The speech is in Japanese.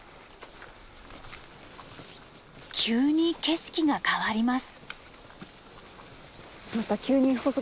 急に景色が変わります。